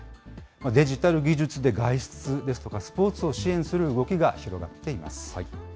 デジタル技術で外出ですとか、スポーツを支援する動きが広がっています。